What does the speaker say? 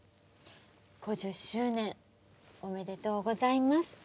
５０周年おめでとうございます。